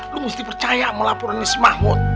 lu mesti percaya sama laporannya si mahmud